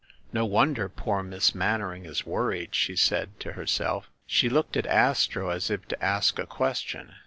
"No won der poor Miss Mannering is worried !" she said to her self. She looked at Astro, as if to ask a question.